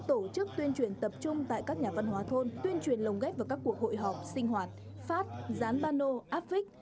tổ chức tuyên truyền tập trung tại các nhà văn hóa thôn tuyên truyền lồng ghép vào các cuộc hội họp sinh hoạt phát gián bano áp vích